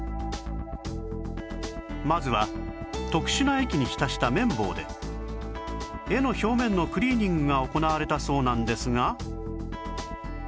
まずは特殊な液に浸した綿棒で絵の表面のクリーニングが行われたそうなんですが